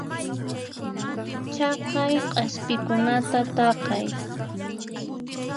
Chaqay k'aspikunata takay.